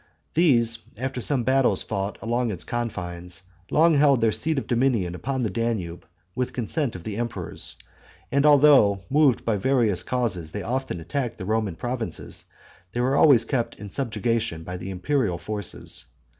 These, after some battles fought along its confines, long held their seat of dominion upon the Danube, with consent of the emperors; and although, moved by various causes, they often attacked the Roman provinces, were always kept in subjection by the imperial forces.